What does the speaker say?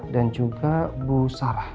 dan juga bu sarah